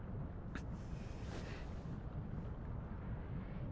あっ！